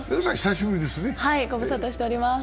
ご無沙汰しております。